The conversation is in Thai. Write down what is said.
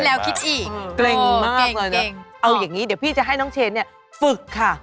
เอาอย่างนี้เดี๋ยวพี่จะให้น้องเชนฝึกค่ะ